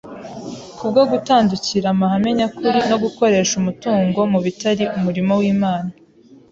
kubwo gutandukira amahame nyakuri no gukoresha umutungo mu bitari umurimo w’Imana